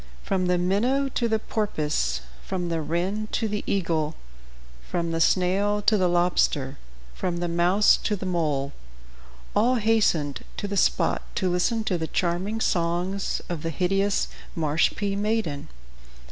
From the minnow to the porpoise, from the wren to the eagle, from the snail to the lobster, from the mouse to the mole all hastened to the spot to listen to the charming songs of the hideous Marshpee maiden.